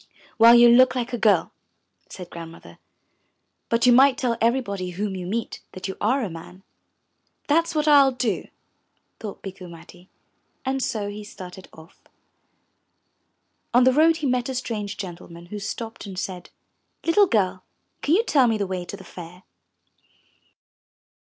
Well, you look like a girl," said Grandmother, but you might tell everybody whom you meet that you are a man." 'That's what I will do," thought Bikku Matti, and so he started off. On the road he met a strange gentleman who stopped and said, 'Tittle girl, can you tell me the way to the Fair?"